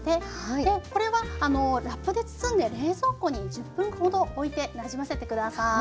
でこれはラップで包んで冷蔵庫に１０分ほどおいてなじませて下さい。